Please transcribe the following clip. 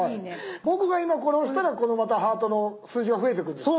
僕が今これ押したらまたハートの数字が増えていくんですか？